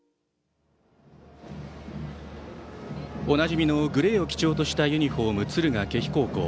おなじみのグレーを基調としたユニフォーム敦賀気比高校。